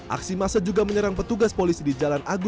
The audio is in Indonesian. aksi masa juga menyerang petugas polisi di jalan agung